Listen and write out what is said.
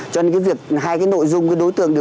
cho nên cái việc hai cái nội dung của đối tượng